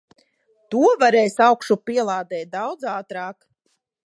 To varēs augšupielādēt daudz ātrāk.